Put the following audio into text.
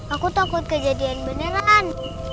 aku takut kejadian beneran